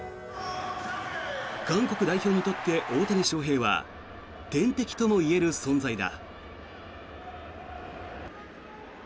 韓国代表にとって大谷翔平は天敵ともいえる存在だ。